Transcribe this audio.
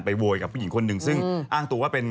โวยกับผู้หญิงคนหนึ่งซึ่งอ้างตัวว่าเป็น